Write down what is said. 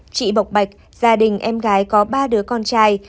chị bộc bạch gia đình em gái có ba đứa con trai